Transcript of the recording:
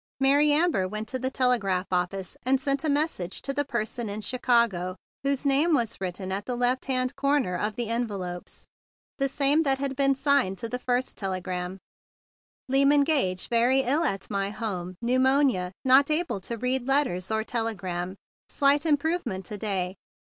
Mary Amber went to the telegraph office, and 10 145 146 THE BIG BLUE SOLDIER sent a message to the person in Chicago whose name was written at the left hand comer of the envelopes, the same that had been signed to that first telegram. "Lyman Gage very ill at my home, pneumonia, not able to read letters or telegram. Slight im¬ provement to day.